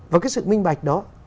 và cái sự minh bạch đó